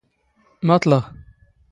ⵎⴰⵟⵍⵖ.